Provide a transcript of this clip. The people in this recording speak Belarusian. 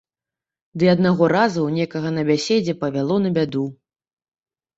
Ды аднаго разу ў некага на бяседзе павяло на бяду.